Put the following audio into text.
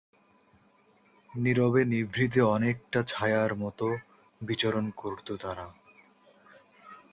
নীরবে-নিভৃতে অনেকটা ছায়ার মতো বিচরণ করত তারা।